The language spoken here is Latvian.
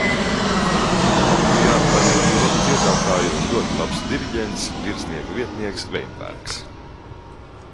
Starmetēju baterijā arī bija labi dziedātāji un ļoti labs diriģents, virsnieka vietnieks Veinbergs.